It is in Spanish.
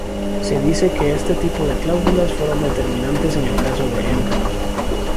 Se dice que este tipo de cláusulas fueron determinantes en el caso de Enron.